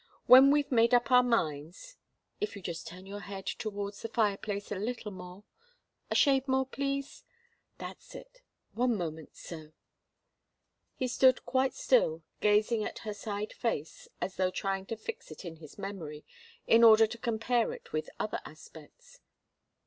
When we've made up our minds if you'd just turn your head towards the fireplace, a little more a shade more, please that's it one moment so " He stood quite still, gazing at her side face as though trying to fix it in his memory in order to compare it with other aspects.